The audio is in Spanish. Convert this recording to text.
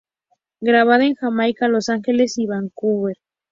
Grabada en Jamaica, Los Ángeles y Vancouver.